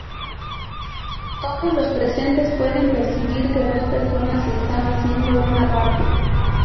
Todos los presentes puede percibir que dos personas están haciendo un aparte.